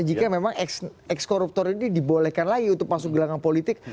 jika memang eks koruptor ini dibolehkan lagi untuk masuk gelangan politik